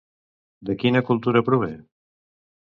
De quina cultura prové?